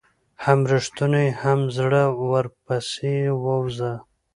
هم ريښتونى هم زړه ور ورپسي ووزه